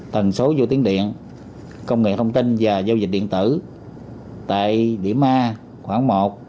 tần số vô tiếng điện công nghệ thông tin và giao dịch điện tử tại điểm a khoảng một